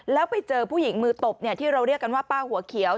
แล้วไปเจอผู้หญิงมือตบที่เราเรียกกันว่าป้าหัวเขียว